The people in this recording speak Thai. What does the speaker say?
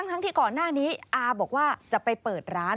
ทั้งที่ก่อนหน้านี้อาบอกว่าจะไปเปิดร้าน